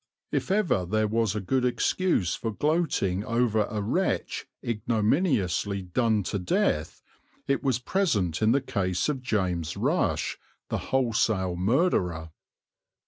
If ever there was a good excuse for gloating over a wretch ignominiously done to death it was present in the case of James Rush the wholesale murderer.